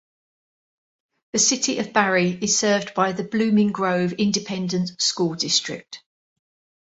The City of Barry is served by the Blooming Grove Independent School District.